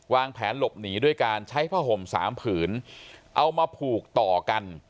แผนหลบหนีด้วยการใช้ผ้าห่มสามผืนเอามาผูกต่อกัน